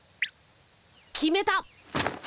決めた！